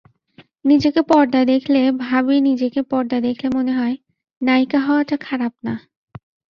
নিজেকে পর্দায় দেখলে ভাবিনিজেকে পর্দায় দেখলে মনে হয়, নায়িকা হওয়াটা খারাপ না।